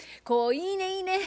いいねいいね！